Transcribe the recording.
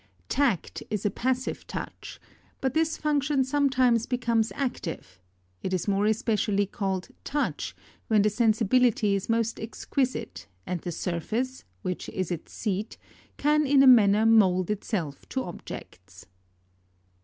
8. Tact is a passive touch, hut this function sometimes becomes active: it i tlly called roach, when the sensibility is most exquisite and the surface, which is its seat, can in a manner mould itself to objects.